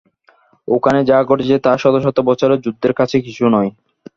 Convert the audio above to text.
ওখানে যা ঘটেছে তা শত শত বছরের যুদ্ধের কাছে কিছুই নয়।